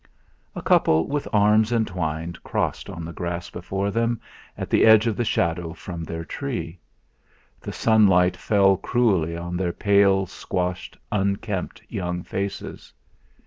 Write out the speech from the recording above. A couple with arms entwined crossed on the grass before them, at the edge of the shadow from their tree. The sunlight fell cruelly on their pale, squashed, unkempt young faces.